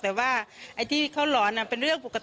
แต่ว่าไอ้ที่เขาหลอนเป็นเรื่องปกติ